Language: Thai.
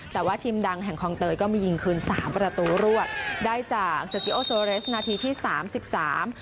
แต่ว่าทีมดังแห่งคลองเตยก็มียิงคืนสามประตูรวดได้จากเซอร์กิโอโซเรสนาทีที่สามสิบสาม